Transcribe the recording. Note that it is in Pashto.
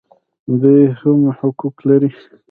دوی هم حقوق لري